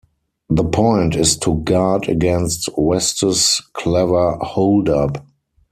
The point is to guard against West's clever holdup.